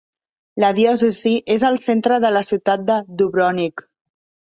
La diòcesi és al centre de la ciutat de Dubrovnik.